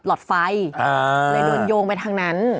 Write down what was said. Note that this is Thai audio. หลอดไฟเลยโดนโยงไปทางนั้น